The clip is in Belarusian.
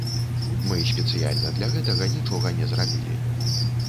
Мы спецыяльна для гэтага нічога не зрабілі.